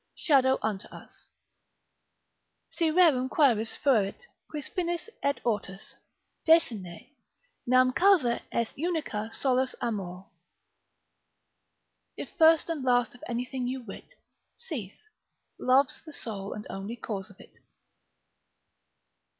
shadow unto us, Si rerum quaeris fuerit quis finis et ortus, Desine; nam causa est unica solus amor. If first and last of anything you wit, Cease; love's the sole and only cause of it.